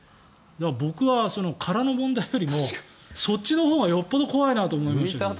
僕は殻の問題よりもそっちのほうがよほど怖いなと思いますけどね。